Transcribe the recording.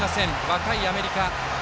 若いアメリカ。